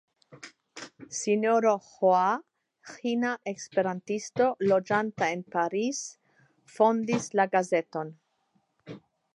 Sinjoro Ĥoa , Ĥina Esperantisto, loĝanta en Paris fondis la gazeton.